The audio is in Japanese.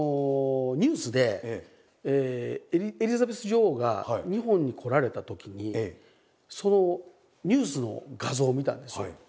ニュースでエリザベス女王が日本に来られたときにそのニュースの画像を見たんですよ。